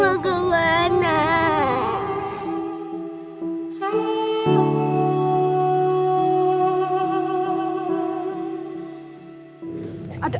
ma mau kemana